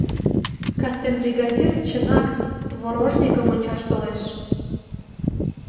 Кастен бригадир, чынак, творожникым ончаш толеш.